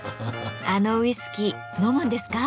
あのウイスキー飲むんですか？